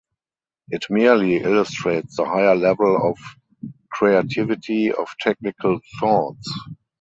It merely illustrates the higher level of creativity of technical thoughts.